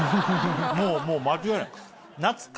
もう間違いない。